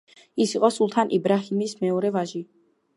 ის იყო სულთან იბრაჰიმის მეორე ვაჟი.